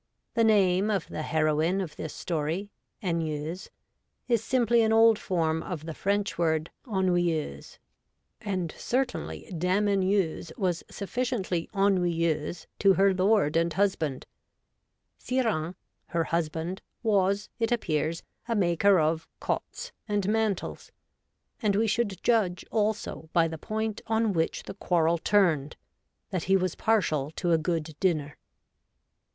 The name of the heroine of this story, Anieuse, is simply an old form of the French word ennuyeuse, and certainly Dame Anieuse was sufficiently ennuyeuse to her lord and husband. ' Sire Hains,' her husband, was, it appears, a maker of ' cottes ' and mantles, and we should judge, also, by the point on which the quarrel turned, that he was partial to a good dinner.